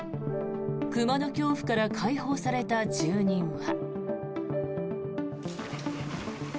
熊の恐怖から解放された住人は。